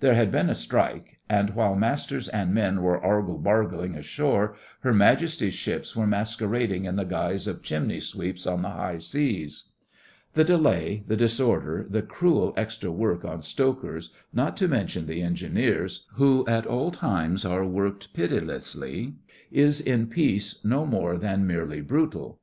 There had been a strike, and while masters and men were argle bargling ashore Her Majesty's ships were masquerading in the guise of chimney sweeps on the high seas. The delay, the disorder, the cruel extra work on stokers, not to mention the engineers, who at all times are worked pitilessly, is in Peace no more than merely brutal.